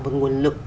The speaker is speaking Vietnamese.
và nguồn lực